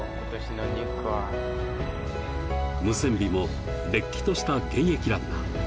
ムセンビもれっきとした現役ランナー。